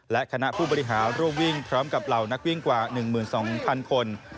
และคณะผู้บริหารร่วมวิ่งพร้อมกับเหล่านักวิ่งกว่า๑๒๐๐๐คน